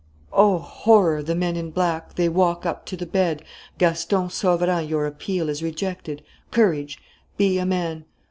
"Oh, horror! the men in black! They walk up to the bed: 'Gaston Sauverand, your appeal is rejected. Courage! Be a man!'